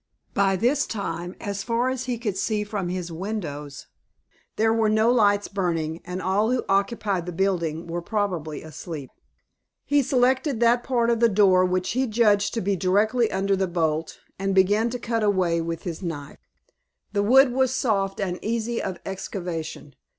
By this time, as far as he could see from his windows, there were no lights burning, and all who occupied the building were probably asleep. He selected that part of the door which he judged to be directly under the bolt, and began to cut away with his knife. The wood was soft, and easy of excavation.